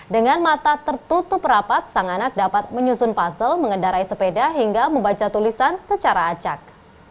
dengan mata tertutup rapat sang anak dapat menyusun puzzle mengendarai sepeda hingga membaca tulisan secara acak